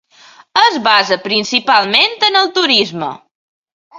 Es basa principalment en el turisme.